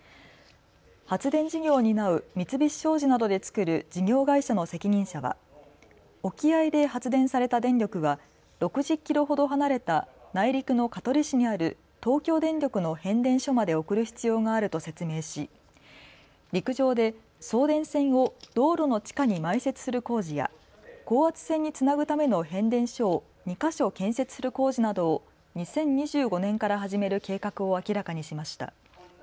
発電事業を担う三菱商事などで作る事業会社の責任者は沖合で発電された電力は６０キロほど離れた内陸の香取市にある東京電力の変電所まで送る必要があると説明し陸上で送電線を道路の地下に埋設する工事や高圧線につなぐための変電所を２か所建設する工事などを２０２５年から始める計画を明らかにしました。